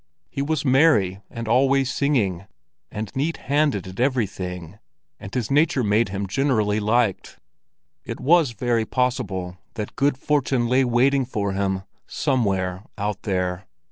He was merry and always singing, and neat handed at everything; and his nature made him generally liked. It was very possible that good fortune lay waiting for him somewhere out there.